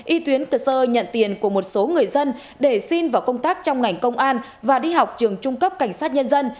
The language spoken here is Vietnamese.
y tuyến cơ sơ nhận tiền của một số người dân để xin vào công tác trong ngành công an và đi học trường trung cấp cảnh sát nhân dân